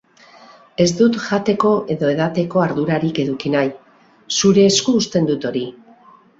Ez dut jateko edo edateko ardurarik eduki nahi, zure esku uzten dut hori.